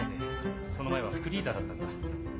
その前は副リーダーだったんだ。